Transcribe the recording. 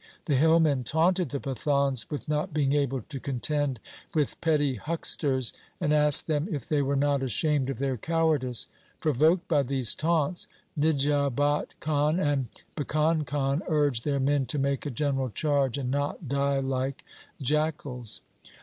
The hillmen taunted the Pathans with not being able to contend with petty hucksters, and asked them if they were not ashamed of their cowardice. Pro voked by these taunts, Nijabat Khan and Bhikan Khan urged their men to make a general charge and not die like jackals.